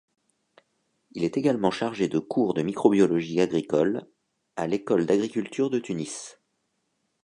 Il est également chargé de cours de microbiologie agricole à l’École d'agriculture de Tunis.